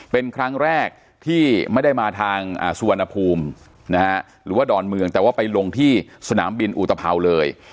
เป็นครั้งแรกที่ไม่ได้มาทางสุวรรณภูมินะฮะหรือว่าดอนเมืองแต่ว่าไปลงที่สนามบินอุตภัวเลย